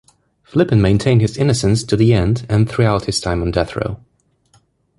Flippen maintained his innocence to the end and throughout his time on death row.